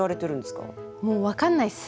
もう分かんないっす。